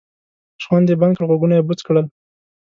شخوند یې بند کړ غوږونه یې بوڅ کړل.